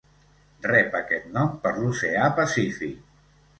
Rep aquest nom per l'oceà Pacífic.